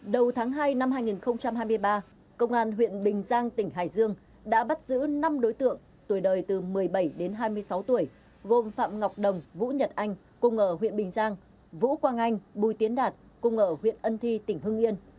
đầu tháng hai năm hai nghìn hai mươi ba công an huyện bình giang tỉnh hải dương đã bắt giữ năm đối tượng tuổi đời từ một mươi bảy đến hai mươi sáu tuổi gồm phạm ngọc đồng vũ nhật anh cùng ở huyện bình giang vũ quang anh bùi tiến đạt cùng ở huyện ân thi tỉnh hưng yên